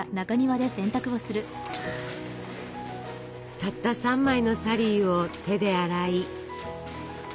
たった３枚のサリーを手で洗い。